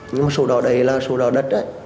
nhưng mà sổ đỏ đấy là sổ đỏ đất đấy